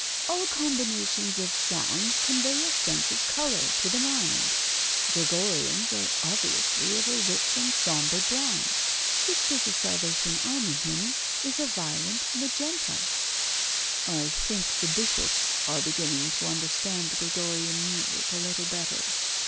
"All combinations of sounds convey a sense of colour to the mind. Gregorians are obviously of a rich and sombre brown, just as a Salvation Army hymn is a violent magenta." "I think the Bishops are beginning to understand Gregorian music a little better.